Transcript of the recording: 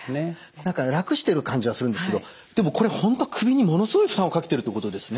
何か楽してる感じはするんですけどでもこれ本当は首にものすごい負担をかけてるってことですね。